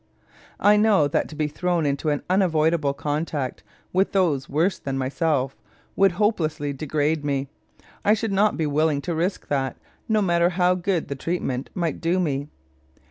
I know that to be thrown into unavoidable contact with those worse than myself would hopelessly degrade me. I should not be willing to risk that, no matter how much good the treatment might do me."